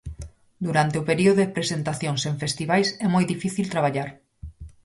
Durante o período de presentacións en festivais é moi difícil traballar.